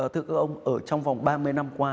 thưa các ông trong vòng ba mươi năm qua